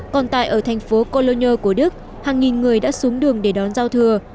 còn tại ở thành phố colonio của đức hàng nghìn người đã xuống đường để đón giao thừa